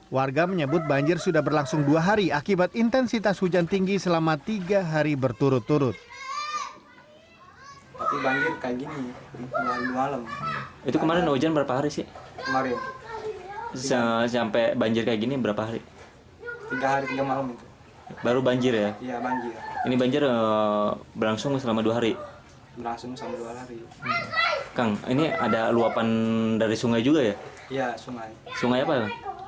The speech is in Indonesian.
warga menyebut banjir sudah berlangsung dua hari akibat intensitas hujan tinggi selama tiga hari berturut turut